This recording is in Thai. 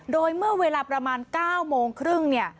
โดยเมื่อเวลาประมาณ๙โมงครึ่งเนี่ย